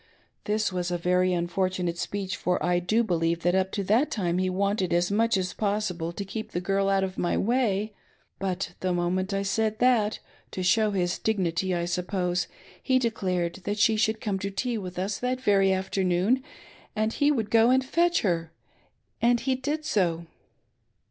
This was a very unfortunate speech, for I do believe that up to that time he wanted as much as possible to keep the girl out of my way ; but the moment I said that, to show his dignity I suppose, he declared that she should come to tea with us that very afternoon, and he would go and fetch her; and he did so.